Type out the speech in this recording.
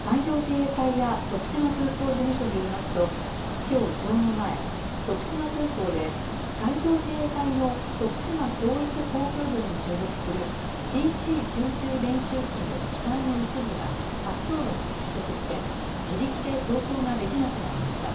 海上自衛隊や徳島空港事務所によりますと、きょう正午前、徳島空港で、海上自衛隊の徳島教育航空群に所属する、ＴＣ９０練習機の機体の一部が滑走路に接触して、自力で走行ができなくなりました。